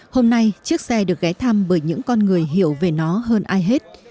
hôm nay chiếc xe được ghé thăm bởi những con người hiểu về nó hơn ai hết